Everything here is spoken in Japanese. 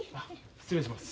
失礼します。